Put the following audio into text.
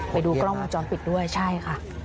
ไปดูกล้องมันจ้อนปิดด้วยใช่ค่ะ